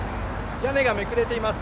屋根がめくれています。